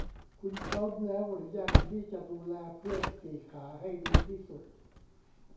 คุณพร้อมแล้วหรือยังที่จะดูแลเพื่อนสี่ขาให้ดีที่สุด